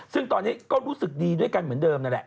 ซึ่งตอนนี้ก็รู้สึกดีด้วยกันเหมือนเดิมนั่นแหละ